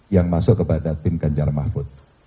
yang masuk kepada tim ganjar mahfud